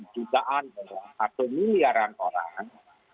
dugaan atau miliaran orang